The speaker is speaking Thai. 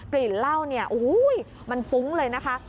กลิ่นเหล้าเนี่ยโอ้โหมันฟุ้งเลยนะคะ